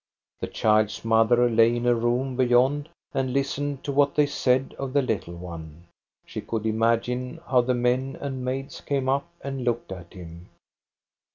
The child's mother lay in a room beyond and listened to what they said of the little one. She could imagine how the men and maids came up and looked at him.